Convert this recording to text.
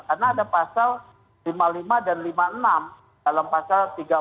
karena ada pasal lima puluh lima dan lima puluh enam dalam pasal tiga ratus empat puluh juga